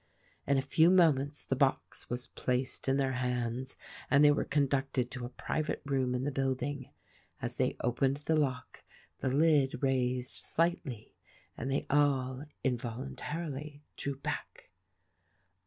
In a few moments the box was placed in their hands and they were conducted to a private room in the build ing. As they opened the lock the lid raised slightly and they all, involuntarily, drew back.